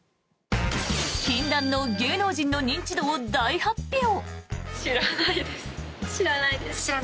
禁断の芸能人の認知度を大発表。